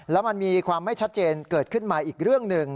แล้วมันมีความไม่ชัดเจนเกิดขึ้นมาอีกเรื่องหนึ่ง